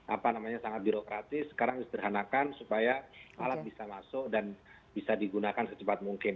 apa namanya sangat birokratis sekarang disederhanakan supaya alat bisa masuk dan bisa digunakan secepat mungkin